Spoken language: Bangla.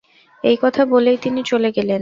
– এই কথা বলেই তিনি চলে গেলেন।